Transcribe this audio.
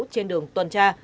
trên đường tuần tra